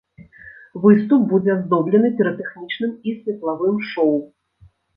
Выступ будзе аздоблены піратэхнічным і светлавым шоў.